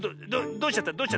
どうしちゃった？